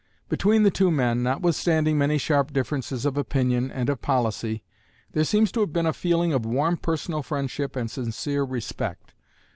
Between the two men, notwithstanding many sharp differences of opinion and of policy, there seems to have been a feeling of warm personal friendship and sincere respect.